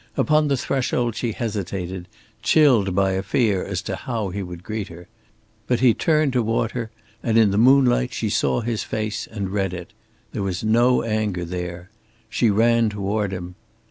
Upon the threshold she hesitated, chilled by a fear as to how he would greet her. But he turned to her and in the moonlight she saw his face and read it. There was no anger there. She ran toward him.